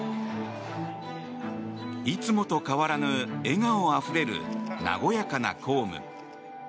いつもと変わらぬ笑顔あふれる和やかな公務。